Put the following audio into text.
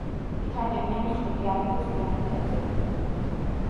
ვითარდებიან ხრტილიანი და ძვლიანი თევზები.